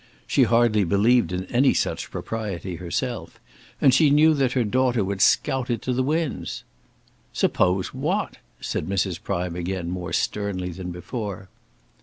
She hardly believed in any such propriety herself, and she knew that her daughter would scout it to the winds. "Suppose what?" said Mrs. Prime again, more sternly than before.